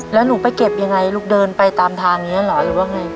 แล้วหนูไปเก็บยังไงลูกเดินไปตามทางอย่างนี้เหรอหรือว่าไง